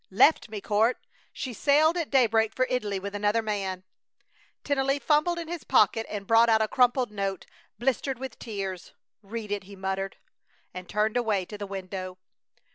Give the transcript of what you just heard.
"Left me, Court! She sailed at daybreak for Italy with another man." Tennelly fumbled in his pocket and brought out a crumpled note, blistered with tears. "Read it!" he muttered, and turned away to the window.